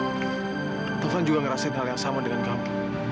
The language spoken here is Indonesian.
aku pasti akan ngelihat seseorang yang sama dengan kamu